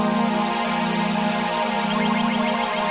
terima kasih kerana menonton